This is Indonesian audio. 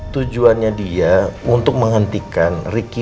tujuannya dia untuk menghentikan ricky